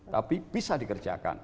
tapi bisa dikerjakan